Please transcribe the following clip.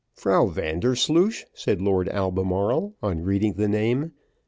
"Frau Vandersloosh," said Lord Albemarle, on reading the name.